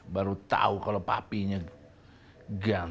baru tahu kalau papinya gang